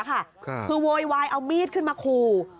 คือโวยวายเอามีดขึ้นมาขู่